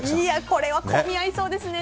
これは混み合いそうですね。